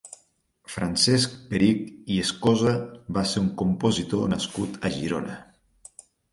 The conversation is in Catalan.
Francesc Perich i Escosa va ser un compositor nascut a Girona.